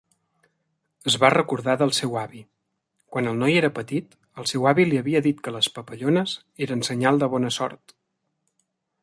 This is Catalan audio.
Es va recordar del seu avi; quan el noi era petit, el seu avi li havia dit que les papallones eren senyal de bona sort.